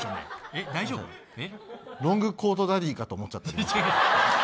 ロングコートダディかと思っちゃって。